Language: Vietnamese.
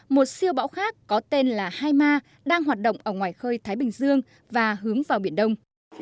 một siêu bão khác có tên là haima đang hoạt động ở ngoài khơi thái bình dương và hướng vào biển đông